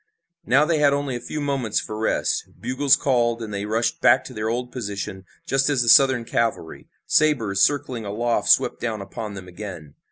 Now they had only a few moments for rest. Bugles called and they rushed back to their old position just as the Southern cavalry, sabers circling aloft swept down upon them again.